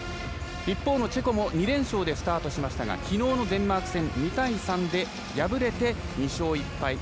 一方のチェコも２連勝でスタートしましたがきのうのデンマーク戦２対３で敗れて２勝１敗。